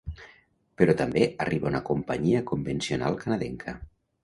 Però també arriba una companyia convencional canadenca.